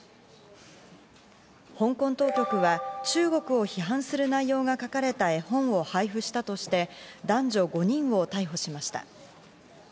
香港当局は中国を批判する内容が書かれた絵本を配布したとして、男女５人を逮捕しました。